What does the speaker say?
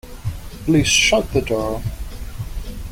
Please shut the door.